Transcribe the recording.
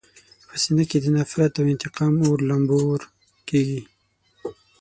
په سینه کې د نفرت او انتقام اور لمبور کېږي.